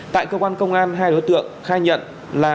tại cơ quan công an hai đối tượng khai nhận là